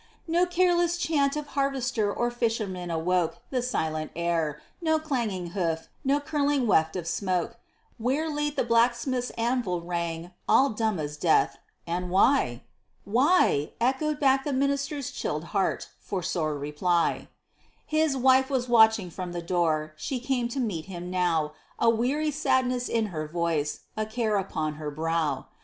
No careless chant of harvester or fisherman awoke The silent air; no clanging hoof, no curling weft of smoke, Where late the blacksmith's anvil rang; all dumb as death, and why? Why? echoed back the minister's chilled heart, for sole reply. His wife was watching from the door; she came to meet him now A weary sadness in her voice, a care upon her brow.